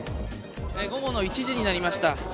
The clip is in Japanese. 午後の１時になりました。